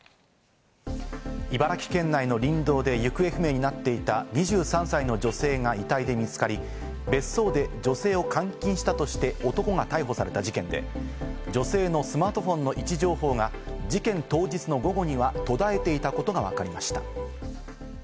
茨城県内の林道で行方不明になっていた２３歳の女性が遺体で見つかり、別荘で女性を監禁したとして男が逮捕された事件で、女性のスマートフォンの位置情報が事件当日の午後には途絶えていたことがわかりました。